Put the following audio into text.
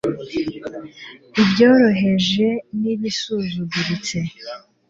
ibyoroheje n ibisuzuguritse